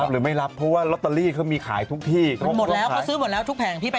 เมื่อกี้มันว่าไม่รับยังไงนะ